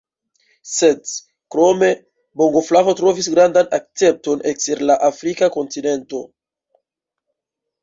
Sed krome bongoflavo trovis grandan akcepton ekster la afrika kontinento.